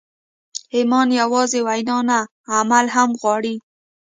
ایمان یوازې وینا نه، عمل هم غواړي.